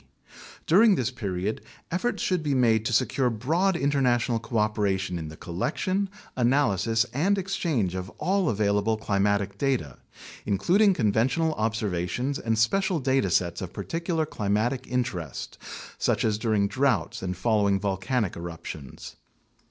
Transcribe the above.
During this period, efforts should be made to secure broad international cooperation in the collection, analysis, and exchange of all available climatic data, including con ventional observations and special data sets of particular climatic in terest (such as during droughts and following volcanic eruptions).